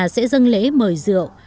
sẽ dâng lễ mời rượu